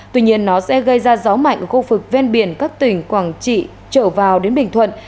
tuy nhiên nó sẽ gây ra gió mạnh ở khu vực ven biển các tỉnh quảng trị trở vào đến bình thuận